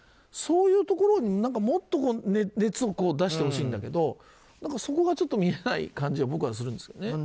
そういうところにもっと熱を出してほしいんだけどそこがちょっと見えない感じが僕はするんですね。